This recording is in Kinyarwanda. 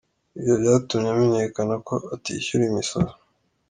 Ibyo byatumye amenyekana ko atishyura imisoro.